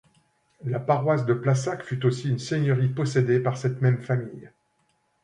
La paroisse de Plassac fut aussi une seigneurie possédée par cette même famille.